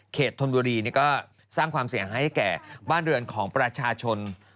ธนบุรีก็สร้างความเสียหายให้แก่บ้านเรือนของประชาชน